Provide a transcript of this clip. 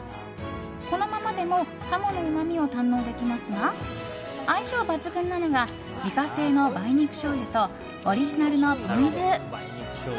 このままでもハモのうまみを堪能できますが相性抜群なのが自家製の梅肉しょうゆとオリジナルのポン酢。